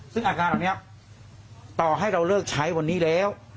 ซึ่งอาการเหล่านี้ต่อให้เราเลิกใช้วันนี้แล้ว